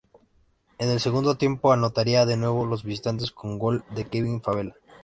En el segundo tiempo anotaría de nuevo los visitantes con gol de Kevin Favela.